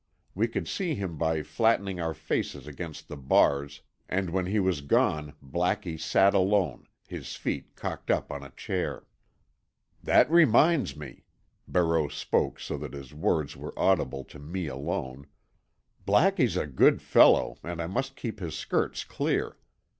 We could see him by flattening our faces against the bars, and when he was gone Blackie sat alone, his feet cocked up on a chair. "That reminds me," Barreau spoke so that his words were audible to me alone. "Blackie's a good fellow, and I must keep his skirts clear.